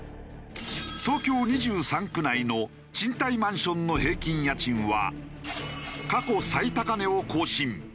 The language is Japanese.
東京２３区内の賃貸マンションの平均家賃は過去最高値を更新。